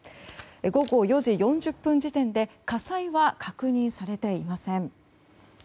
午後４時４０分時点で火災は確認されていません。